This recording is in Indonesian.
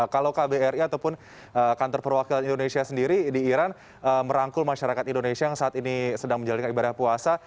kalau kbri ataupun kantor perwakilan indonesia sendiri di iran merangkul masyarakat indonesia yang saat ini sedang menjalankan ibadah puasa